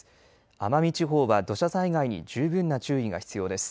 奄美地方は土砂災害に十分な注意が必要です。